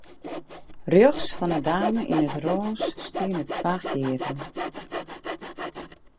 Rjochts fan 'e dame yn it rôs steane twa hearen.